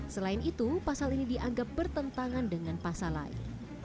selain itu pasal ini dianggap bertentangan dengan pasal lain